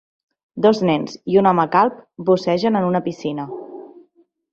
Dos nens i un home calb bussegen en una piscina.